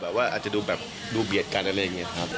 ว่าอาจจะดูแบบดูเบียดกันอะไรอย่างนี้ครับ